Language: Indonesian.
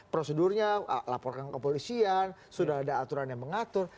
prosedurnya laporkan ke kepolisian sudah ada aturan yang mengatur